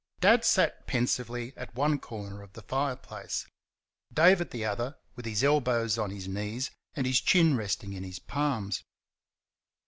Dad sat pensively at one corner of the fire place Dave at the other with his elbows on his knees and his chin resting in his palms.